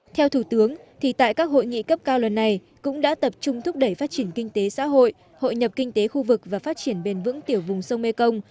theo thủ tướng thì tại các hội nghị cấp cao lần này cũng đã tập trung thúc đẩy phát triển kinh tế xã hội hội nhập kinh tế khu vực và phát triển bền vững tiểu vùng sông mekong